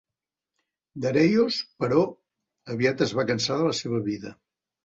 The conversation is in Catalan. Dareios, però, aviat es va cansar de la seva vida.